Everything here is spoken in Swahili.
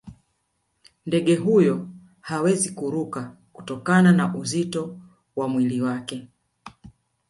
ndege huyo hawezi kuruka kutokana na uzito wa mwili wake